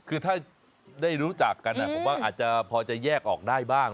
คือถ้าได้รู้จักกันผมว่าอาจจะพอจะแยกออกได้บ้าง